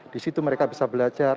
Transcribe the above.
di situ mereka bisa belajar